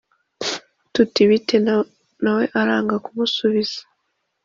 Tuti bite? Nawe aranga kumusubiza